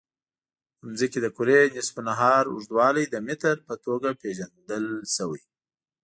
د ځمکې د کرې نصف النهار اوږدوالی د متر په توګه پېژندل شوی.